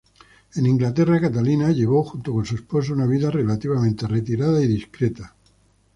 En Inglaterra, Catalina llevó, junto con su esposo, una vida relativamente retirada y discreta.